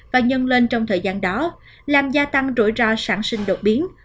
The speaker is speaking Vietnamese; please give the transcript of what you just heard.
và nhân lên trong thời gian đó làm gia tăng rủi ro sản sinh đột biến